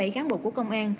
bảy cán bộ của công an